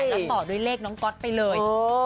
น้องก๊อตด้วยเลขน้องก๊อตไปเลย